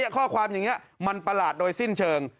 ข้อความอย่างนี้มันประหลาดโดยสิ้นเชิง